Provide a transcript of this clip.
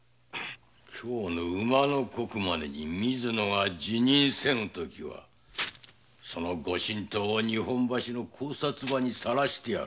今日の午の刻までに水野が辞任せぬ時はその御神刀を日本橋の高札場に晒してやる。